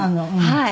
はい。